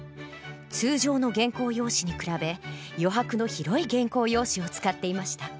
通常の原稿用紙に比べ余白の広い原稿用紙を使っていました。